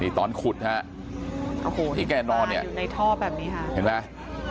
นี่ตอนขุดฮะโอ้โหที่แกนอนเนี่ยอยู่ในท่อแบบนี้ค่ะเห็นไหม